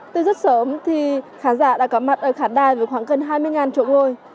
từ rất sớm thì khán giả đã có mặt ở khán đài với khoảng gần hai mươi chỗ ngồi